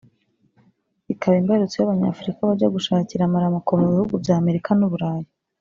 ikaba imbarutso y’Abanyafurika bajya gushakira amaramuko mu bihugu bya Amerika n’i Burayi